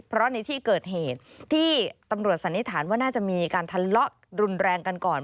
เพราะในที่เกิดเหตุที่ตำรวจสันนิษฐานว่าน่าจะมีการทะเลาะรุนแรงกันก่อน